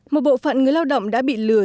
một bộ phận người lao động đã bị lừa